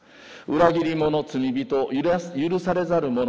裏切り者罪人許されざる者。